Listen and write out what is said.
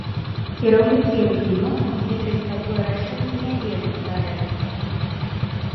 Кіраўнікі рэгіёнаў лічаць такое рашэнне не вельмі карэктным.